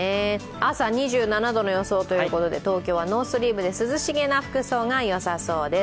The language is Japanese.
朝２７度の予想ということで東京はノースリーブで涼しげな服装がよさそうです。